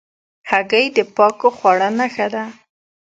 هګۍ د پاکو خواړو نښه ده.